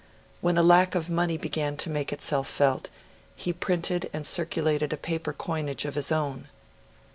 When a lack of money began to make itself felt, he printed and circulated a paper coinage of his own.